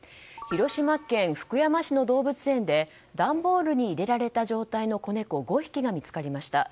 広島県福山市の動物園で段ボールに入れられた状態の子猫５匹が見つかりました。